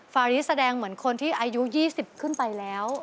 ฟาริสแสดงเหมือนคนที่อายุ๒๐ขึ้นไปแล้ว